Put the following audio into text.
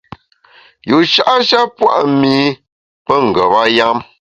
Yusha’ sha pua’ mi pe ngeba yam.